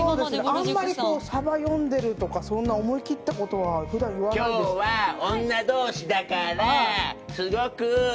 あんまりサバ読んでるとかそんな思いきった事は普段言わないです。